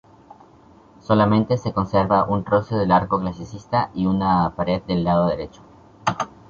Solamente se conserva un trozo del arco clasicista y una pared del lado derecho.